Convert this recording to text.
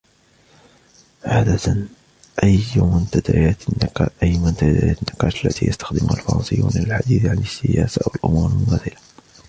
عادةً, أي منتديات النقاش التي يستخدمها الفرنسيون للحديث عن السياسة والأُمور المماثلة؟